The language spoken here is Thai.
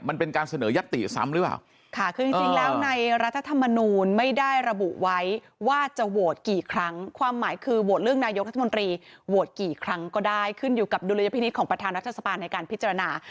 ไม่ได้ระบุไว้ว่าจะโหวตกี่ครั้งความหมายคือโหวตเรื่องนายกรัฐมนตรีโหวตกี่ครั้งก็ได้ขึ้นอยู่กับดุลยพินิษฐ์ของประธานรัฐสภาในการพิจารณา